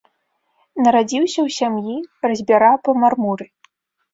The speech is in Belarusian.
Нарадзіўся ў сям'і разьбяра па мармуры.